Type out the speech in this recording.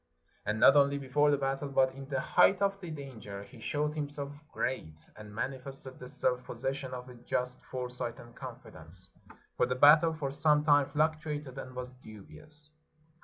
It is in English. " And not only before the battle, but in the height of the danger, he showed himself great, and manifested the self possession of a just foresight and confidence. For the battle for some time fluctuated and was dubious.